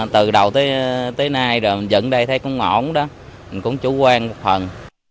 từ đầu tới nay dựng đây thấy cũng ổn đó cũng chủ quan một phần